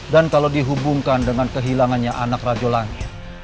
dan kalau dihubungkan dengan kehilangannya anak rajo langit